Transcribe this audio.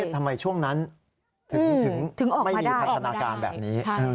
ทำไมช่วงนั้นถึงไม่มีพันธนาการแบบนี้